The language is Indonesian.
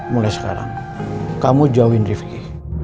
mulai sekarang kamu jauhin rifki